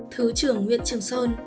thứ trưởng nguyễn trường sơn